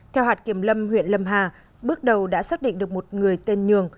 theo hạt kiểm lâm huyện lâm hà bước đầu đã xác định được một người tên nhường